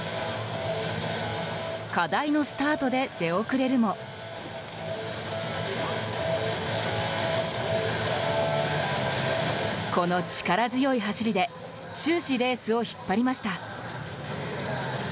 課題のスタートで出遅れるもこの力強い走りで終始レースを引っ張りました。